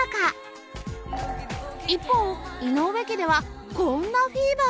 一方井上家ではこんなフィーバーが